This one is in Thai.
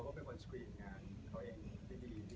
ก็ไม่ต้องอยู่กับเขาเขาจะบอกก่อน